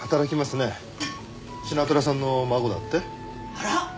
あら？